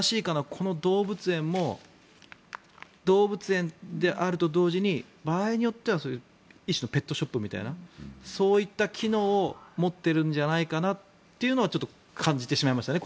この動物園も動物園であると同時に場合によっては一種のペットショップみたいなそういう機能を持っているんじゃないかなというのはちょっと感じてしまいますね